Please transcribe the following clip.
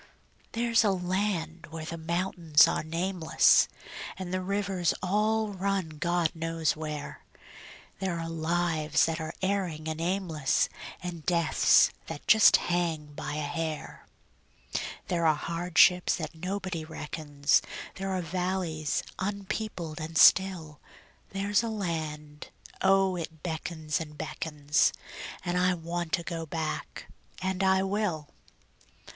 There's a land where the mountains are nameless, And the rivers all run God knows where; There are lives that are erring and aimless, And deaths that just hang by a hair; There are hardships that nobody reckons; There are valleys unpeopled and still; There's a land oh, it beckons and beckons, And I want to go back and I will.